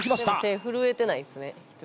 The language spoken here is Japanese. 手震えてないですね。